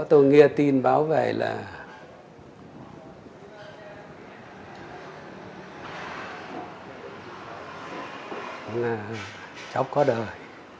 tôi nghe tin báo về là chóc có đời